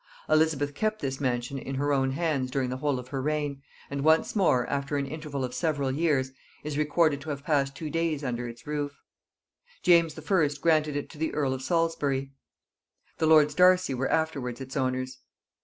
Elizabeth kept this mansion in her own hands during the whole of her reign, and once more, after an interval of several years, is recorded to have passed two days under its roof. James I. granted it to the earl of Salisbury: the lords Darcy were afterwards its owners.